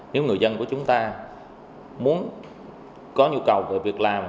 nếu người dân của chúng ta muốn có nhu cầu về việc làm